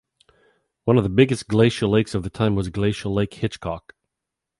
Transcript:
One of the biggest glacial lakes of the time was Glacial Lake Hitchcock.